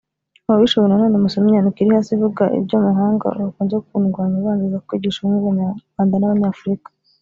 Ababishoboye nanone musome inyandiko iri hasi ivuga iby’abanyamahanga bakunze kundwanya banziza kwigisha ubumwe bw’abanyarwanda n’abanyafurika